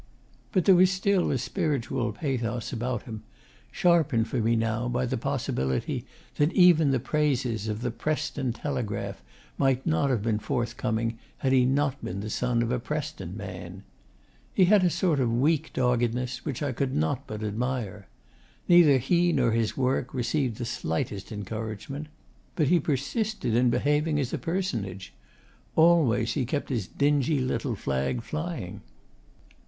But there was still a spiritual pathos about him, sharpened for me now by the possibility that even the praises of The Preston Telegraph might not have been forthcoming had he not been the son of a Preston man. He had a sort of weak doggedness which I could not but admire. Neither he nor his work received the slightest encouragement; but he persisted in behaving as a personage: always he kept his dingy little flag flying.